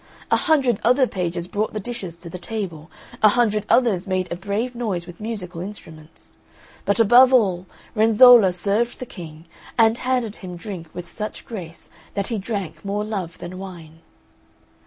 A hundred other pages brought the dishes to the table. A hundred others made a brave noise with musical instruments. But, above all, Renzolla served the King and handed him drink with such grace that he drank more love than wine.